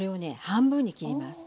半分に切ります。